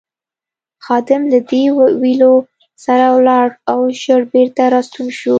خادم له دې ویلو سره ولاړ او ژر بېرته راستون شو.